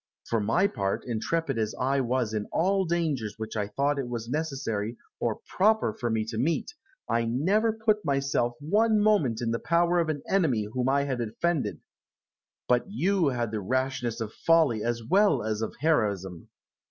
For my part, intrepid as I was in all dangers which I thought it was necessary or proper for me to meet, I never put myself one moment in the power of an enemy whom I had offended. But you had the rashness of folly as well as of heroism.